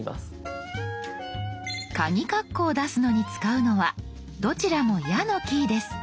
カギカッコを出すのに使うのはどちらも「や」のキーです。